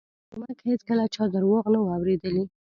جومک هېڅکله چا درواغ نه وو اورېدلي.